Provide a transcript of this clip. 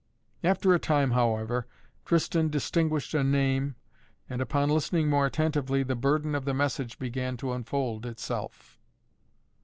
After a time, however, Tristan distinguished a name, and, upon listening more attentively, the burden of the message began to unfold itself.